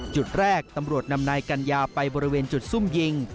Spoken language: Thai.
จุดแรกตำรวจนำนายกัญญาไปบริเวณจุดซุ่มยิง